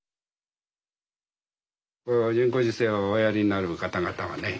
人工授精をおやりになる方々はね